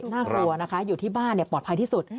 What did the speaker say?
น่ากลัวนะคะอยู่ที่บ้านปลอดภัยที่สุด